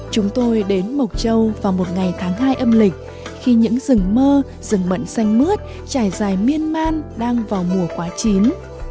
chúng tôi đến mộc châu vào một ngày tháng hai âm lịch khi những rừng mơ rừng mận xanh mướt trải dài miên man đang vào mùa quá chín